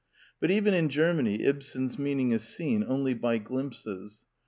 But even in Germany Ibsen's meaning is seen only by glimpses.